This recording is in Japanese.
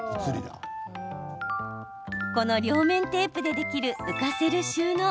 この両面テープでできる浮かせる収納。